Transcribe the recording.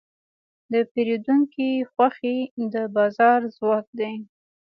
د پیرودونکي خوښي د بازار ځواک دی.